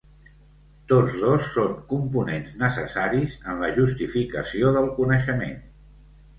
Tots dos són components necessaris en la justificació del coneixement.